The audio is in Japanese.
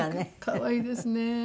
可愛いですね。